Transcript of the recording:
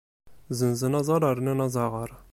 Zenzen aẓar rnan azaɣaṛ.